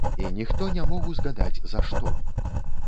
І ніхто не мог узгадаць, за што.